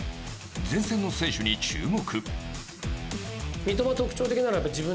前線の選手に注目。